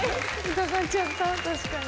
疑っちゃった確かに。